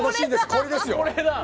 これですよ。